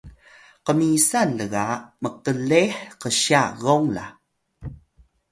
qmisan lga mqleh qsya gong la